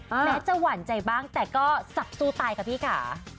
แม้จะหวั่นใจบ้างแต่ก็สับสู้ตายค่ะพี่ค่ะ